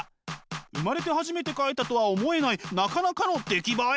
生まれて初めて描いたとは思えないなかなかの出来栄え。